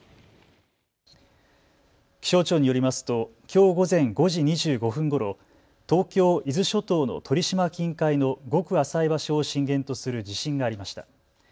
気象庁によりますときょう午前５時２５分ごろ、東京伊豆諸島の鳥島近海のごく浅い場所を震源とする地震がありました。